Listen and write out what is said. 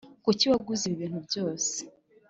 kuki waguze ibi bintu byose?